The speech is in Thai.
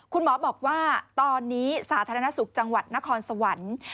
คุณหมอบอกว่าตอนนี้สาธารณสุขจังหวัดนครสวรรค์